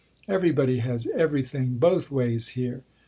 Everybody has everything both ways here.